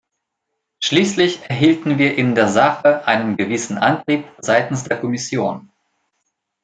Schließlich erhielten wir in der Sache einen gewissen Antrieb seitens der Kommission.